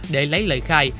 để lấy lời khai